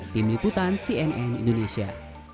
tim liputan cnn indonesia